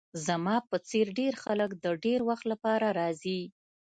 زما په څیر ډیر خلک د ډیر وخت لپاره راځي